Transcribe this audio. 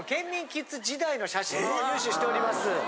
キッズ時代の写真を入手しております。